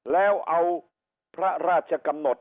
แล้วเอาพระราชกำหนด